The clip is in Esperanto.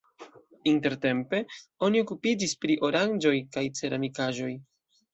Intertempe oni okupiĝis pri oranĝoj kaj ceramikaĵoj.